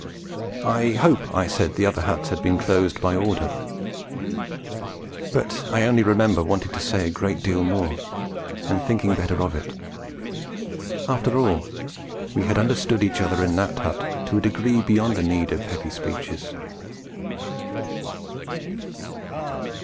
I hope I said the other huts had been closed by order; but I only remember wanting to say a great deal more, and thinking better of it. After all, we had understood each other in that hut to a degree beyond the need of heavy speeches.